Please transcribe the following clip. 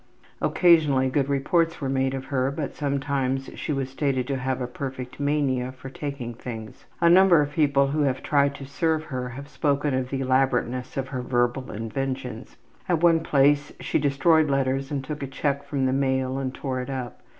Occasionally good reports were made of her, but sometimes she was stated to have a perfect mania for taking things. A number of people who have tried to help her have spoken of the elaborateness of her verbal inventions. At one place she destroyed letters and took a check from the mail and tore it up.